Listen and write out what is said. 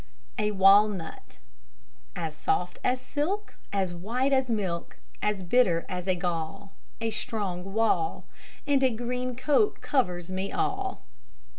A WALNUT As soft as silk, as white as milk, As bitter as gall, a strong wall, And a green coat covers me all.